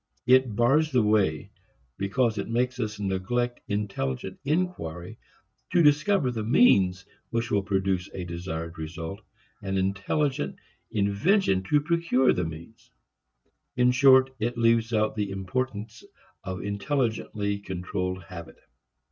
It bars the way because it makes us neglect intelligent inquiry to discover the means which will produce a desired result, and intelligent invention to procure the means. In short, it leaves out the importance of intelligently controlled habit.